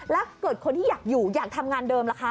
แล้วเกิดคนที่อยากอยู่อยากทำงานเดิมล่ะคะ